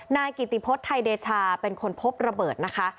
นายกิติพฤษไทยเดชาเป็นคนพบระเบิดนะคะ